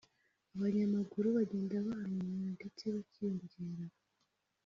abanyamaguru bagenda bahamenyera ndetse bakiyongera